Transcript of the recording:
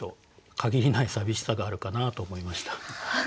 限りない寂しさがあるかなと思いました。